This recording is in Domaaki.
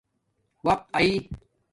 وقت آݵ